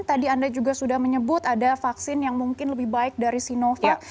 tadi anda juga sudah menyebut ada vaksin yang mungkin lebih baik dari sinovac